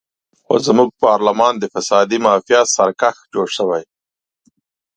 خو زموږ پارلمان د فسادي مافیا سرکس جوړ شوی.